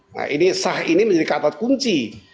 nah ini sah ini menjadi kata kunci